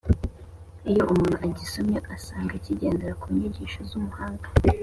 Iyo umuntu agisomye asanga kigendera ku nyigisho z’umuhanga